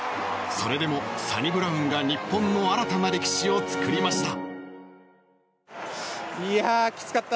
それでもサニブラウンが日本の新たな歴史を作りました。